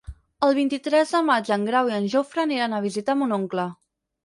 El vint-i-tres de maig en Grau i en Jofre aniran a visitar mon oncle.